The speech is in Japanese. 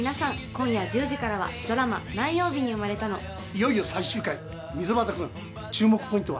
今夜１ドラマ何曜日に生まれたのいよいよ最終回溝端君注目ポイントは？